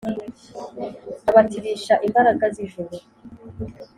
Abatirisha, imbaraga z'ijuru